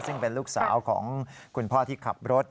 ซึ่งเป็นลูกสาวของคุณพ่อที่ขับรถ